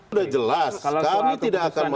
sudah jelas kami tidak akan mau